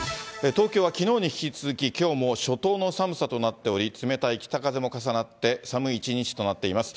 東京はきのうに引き続き、きょうも初冬の寒さとなっており、冷たい北風も重なって寒い一日となっています。